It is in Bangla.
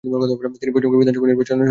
তিনি পশ্চিমবঙ্গ বিধানসভার সদস্য ছিলেন।